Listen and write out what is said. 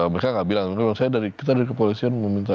mereka gak bilang kita dari kepolisian meminta gitu ya